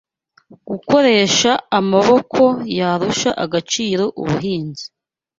gukoresha amaboko yarusha agaciro ubuhinzi